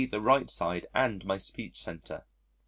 _ the right side and my speech centre.